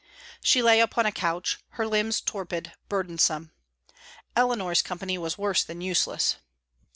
She lay upon a couch, her limbs torpid, burdensome. Eleanor's company was worse than useless.